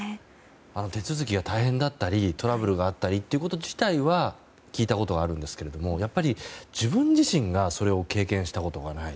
手続きが大変だったりトラブルがあったりということ自体は聞いたことはあるんですけどやっぱり自分自身が経験したことがない。